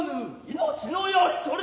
命のやりとり。